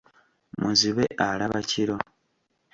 Muzibe alaba kiro.